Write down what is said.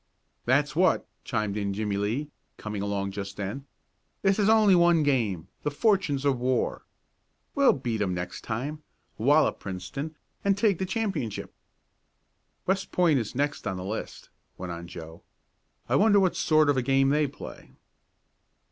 "That's what!" chimed in Jimmie Lee, coming along just then. "This is only one game the fortunes of war. We'll beat 'em next time; wallop Princeton, and take the championship." "West Point is next on the list," went on Joe. "I wonder what sort of a game they play?"